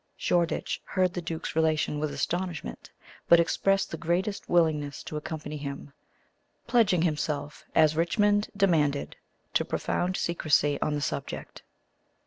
Shoreditch heard the duke's relation with astonishment, but expressed the greatest willingness to accompany him, pledging himself, as Richmond demanded, to profound secrecy on the subject.